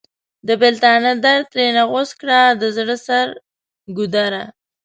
د بیلتانه درد ترېنه غوڅ کړ د زړه سر ګودره!